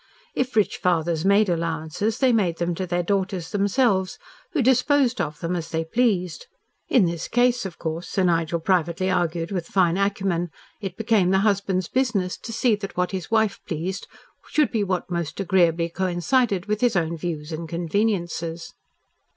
If rich fathers made allowances, they made them to their daughters themselves, who disposed of them as they pleased. In this case, of course, Sir Nigel privately argued with fine acumen, it became the husband's business to see that what his wife pleased should be what most agreeably coincided with his own views and conveniences.